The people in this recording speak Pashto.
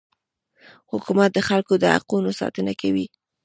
حکومت د خلکو د حقونو ساتنه کوي.